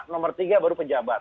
nomor tiga baru pejabat